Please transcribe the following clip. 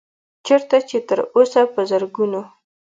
چرته چې تر اوسه پۀ زرګونو